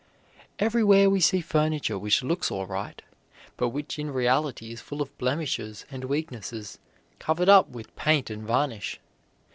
Everywhere we see furniture which looks all right, but which in reality is full of blemishes and weaknesses, covered up with paint and varnish.